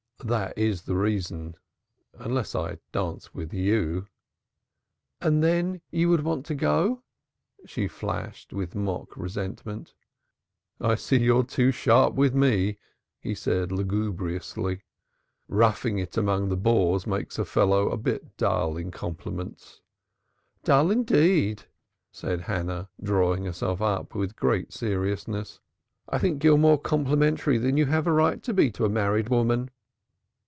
"That is the reason. Unless I dance with you." "And then you would want to go?" she flashed with mock resentment. "I see you're too sharp for me," he said lugubriously. "Roughing it among the Boers makes a fellow a bit dull in compliments." "Dull indeed!" said Hannah, drawing herself up with great seriousness. "I think you're more complimentary than you have a right to be to a married woman."